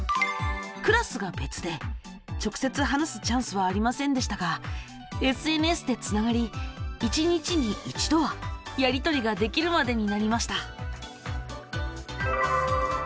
クラスが別で直接話すチャンスはありませんでしたがＳＮＳでつながり一日に一度はやりとりができるまでになりました。